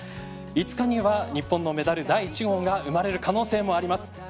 ５日には、日本のメダル第１号が生まれる可能性もあります。